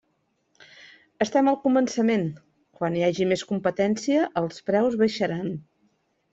Estem al començament; quan hi hagi més competència, els preus baixaran.